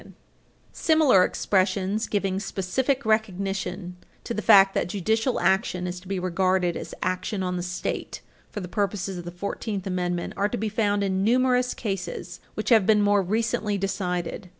[Footnote 13] Similar expressions, giving specific recognition to the fact that judicial action is to be regarded as action of the State for the purposes of the Fourteenth Amendment, are to be found in numerous cases which have been more recently decided.